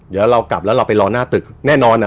เดี๋ยวเรากลับแล้วเราไปรอหน้าตึกแน่นอนอ่ะ